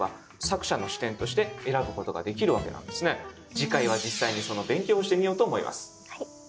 次回は実際にその勉強をしてみようと思います。